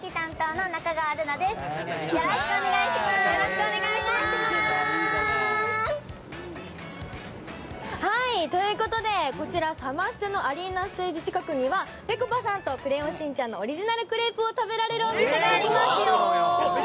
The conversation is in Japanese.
よろしくお願いします！ということで、こちらサマステのアリーナステージ近くにはぺこぱさんと「クレヨンしんちゃん」のオリジナルクレープを食べられるお店がありますよ！